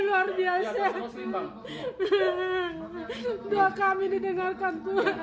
terima kasih tuhan